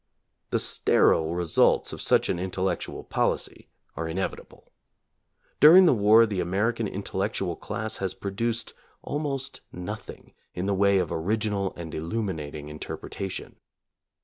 The sterile results of such an intellectual policy are inevitable. During the war the American intellectual class has produced almost nothing in the way of original and illuminating interpreta tion.